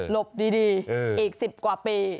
บดีอีก๑๐กว่าปี